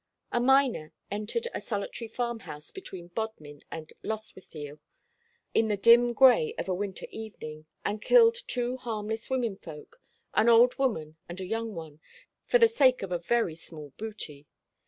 A miner entered a solitary farmhouse between Bodmin and Lostwithiel, in the dim gray of a winter evening, and killed two harmless women folk an old woman and a young one for the sake of a very small booty.